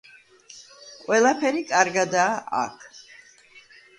ყველაფერი კარგადაა აქ.